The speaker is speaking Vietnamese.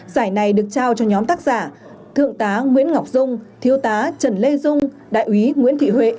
giải này được trao cho nhóm tác giả thượng tá nguyễn ngọc dung thiếu tá trần lê dung đại úy nguyễn thị huệ